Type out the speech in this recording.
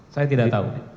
saya tidak tahu